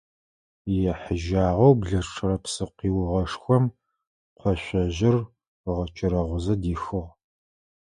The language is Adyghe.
Ехьыжьагъэу блэчъырэ псы къиугъэшхом къошъожъыр ыгъэчэрэгъузэ дихыгъ.